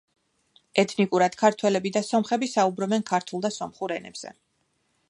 ეთნიკურად ქართველები და სომხები საუბრობენ ქართულ და სომხურ ენებზე.